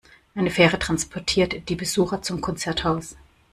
Eine Fähre transportiert die Besucher zum Konzerthaus.